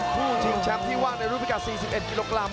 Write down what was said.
ชิงแชมป์ที่ว่างในรูปพิการ๔๑กิโลกรัม